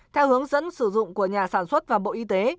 theo hướng dẫn sử dụng của nhà sản xuất và bộ y tế